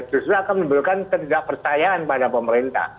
justru akan menimbulkan ketidakpercayaan pada pemerintah